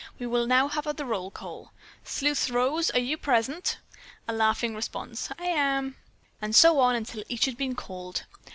We will now have the roll call. Sleuth Rose, are you present?" A laughing response: "I am!" And so on until each had been called.